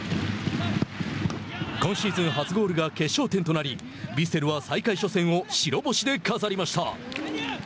今シーズン初ゴールが決勝点となりヴィッセルは再開初戦を白星で飾りました。